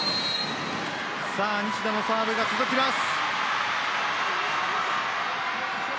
西田のサーブが続きます。